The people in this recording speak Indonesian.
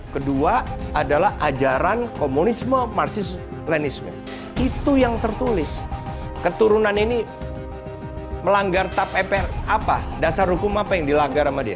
kedua adalah ajaran komunisme marsis lenisme itu yang tertulis keturunan ini melanggar tap mpr apa dasar hukum apa yang dilanggar sama dia